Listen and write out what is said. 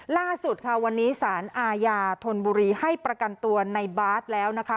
ล่าสุดค่ะวันนี้สารอาญาธนบุรีให้ประกันตัวในบาสแล้วนะคะ